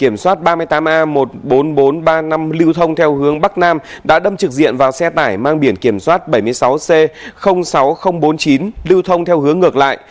kiểm soát ba mươi tám a một mươi bốn nghìn bốn trăm ba mươi năm lưu thông theo hướng bắc nam đã đâm trực diện vào xe tải mang biển kiểm soát bảy mươi sáu c sáu nghìn bốn mươi chín lưu thông theo hướng ngược lại